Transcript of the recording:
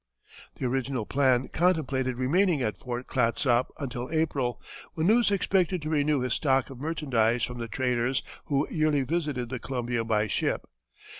The original plan contemplated remaining at Fort Clatsop until April, when Lewis expected to renew his stock of merchandise from the traders who yearly visited the Columbia by ship.